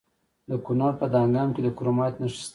د کونړ په دانګام کې د کرومایټ نښې شته.